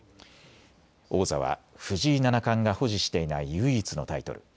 王座は藤井七冠が保持していない唯一のタイトル。